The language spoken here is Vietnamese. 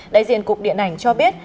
đại diện cục điện ảnh cho biết